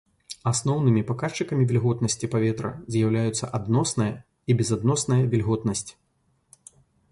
Асноўнымі паказчыкамі вільготнасці паветра з'яўляюцца адносная і безадносная вільготнасць.